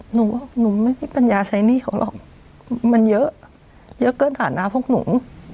หนูหนูไม่มีปัญญาใช้หนี้เขาหรอกมันเยอะเยอะเกินฐานะพวกหนู